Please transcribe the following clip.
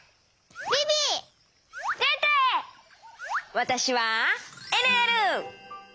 わたしはえるえる！